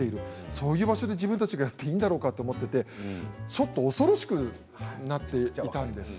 そういう場所で自分たちがやっていいんだろうかと思っていてちょっと恐ろしくなっていたんです。